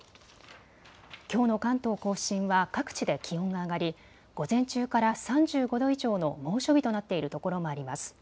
きょうの関東甲信は各地で気温が上がり、午前中から３５度以上の猛暑日となっているところもあります。